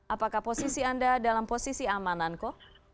apakah posisi anda dalam posisi aman anko